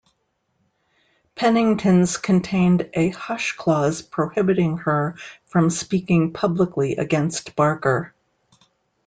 Pennington's contained a hush clause prohibiting her from speaking publicly against Barker.